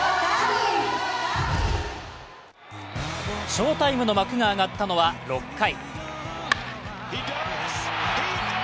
翔タイムの幕が上がったのは６回。